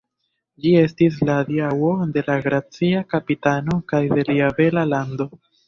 Ĝi estis la adiaŭo de la gracia kapitano kaj de lia bela lando.